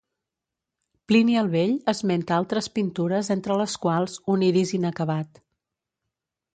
Plini el Vell esmenta altres pintures entre les quals un Iris inacabat.